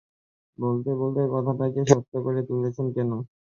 বলতে বলতে কথাটাকে সত্য করে তুলছেন কেন?